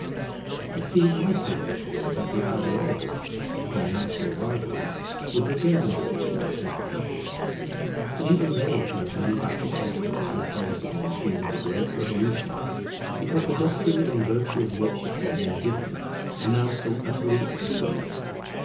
It seemed likely therefore that the Ideologists, their natural rivals, would regain their influence with the people. But even they cannot win back the confidence reposed in them during the great Revolution, because the doctrines in virtue of which it was then given are now so utterly exploded.